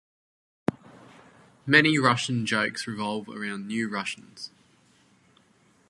Many Russian jokes revolve around New Russians.